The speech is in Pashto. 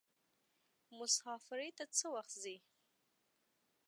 مسافری ته څه وخت ځئ.